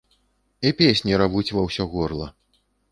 І песні равуць ва ўсё горла.